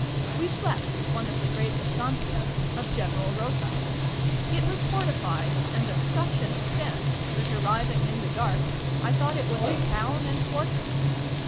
We slept at one of the great estancias of General Rosas. It was fortified, and of such an extent, that arriving in the dark I thought it was a town and fortress.